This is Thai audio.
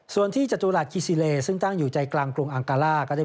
ส่วนที่จตุระกิซิเลซึ่งตั้งใจในกลางกรุงอังกฎา